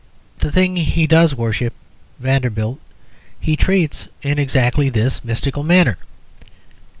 But the thing he does worship Vanderbilt he treats in exactly this mystical manner.